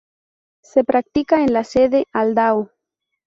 Se practica en la sede Aldao.